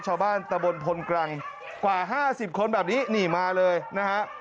ชาวบ้านตะบนพลกรังกว่า๕๐คนแบบนี้นี่มาเลยนะฮะ